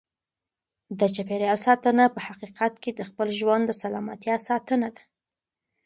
د چاپیریال ساتنه په حقیقت کې د خپل ژوند د سلامتیا ساتنه ده.